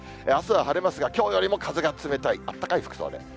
あすは晴れますが、きょうよりも風が冷たい、あったかい服装で。